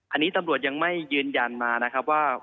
อันนี้ตำรวจยังไม่ยืนยันมานะครับว่า